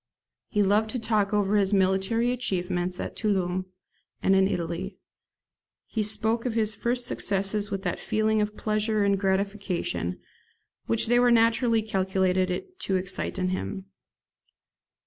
He loved to talk over his military achievements at Toulon and in Italy. He spoke of his first successes with that feeling of pleasure and gratification which they were naturally calculated to excite in him.